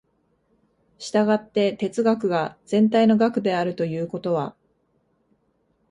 従って哲学が全体の学であるということは、